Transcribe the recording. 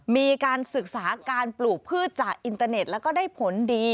มีการศึกษาการปลูกพืชจากอินเตอร์เน็ตแล้วก็ได้ผลดี